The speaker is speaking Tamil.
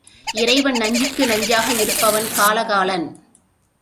இறைவன் நஞ்சுக்கு நஞ்சாக இருப்பவன் காலகாலன்.